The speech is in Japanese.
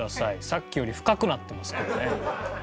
さっきより深くなってますからね。